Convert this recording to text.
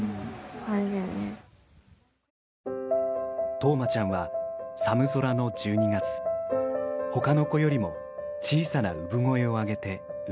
冬生ちゃんは寒空の１２月他の子よりも小さな産声を上げて生まれました。